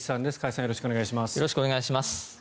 よろしくお願いします。